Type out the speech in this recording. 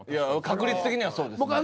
確率的にはそうですね。